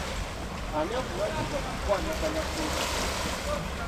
Ani avunaanyizibwa ku kukwanaganya pulojekiti?